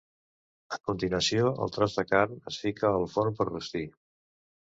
A continuació el tros de carn es fica al forn per rostir.